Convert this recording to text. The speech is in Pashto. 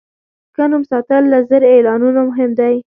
ښه نوم ساتل له زر اعلانونو مهم دی.